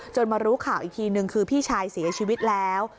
มารู้ข่าวอีกทีนึงคือพี่ชายเสียชีวิตแล้ว